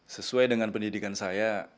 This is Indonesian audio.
sesuai dengan pendidikan saya